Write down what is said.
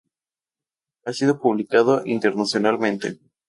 Ha sido publicado internacionalmente.